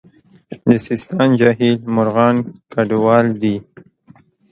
د سیستان جهیل مرغان کډوال دي